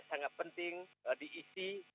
sangat penting diisi